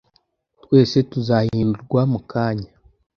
Twese tuzahindurwa mu kanya,